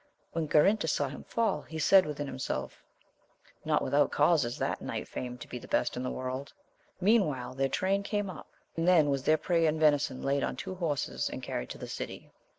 When Garinter saw him fall, he said within himself not without cause is that knight famed to be the best in the world. Meanwhile their train came up, and then was their prey and venison laid on two horses and carried to the city.